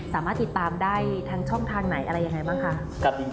สามารถติดตามได้ทางช่องทางไหนอะไรยังไงบ้างคะ